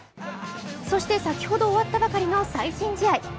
そして先ほど終わったばかりの最新試合。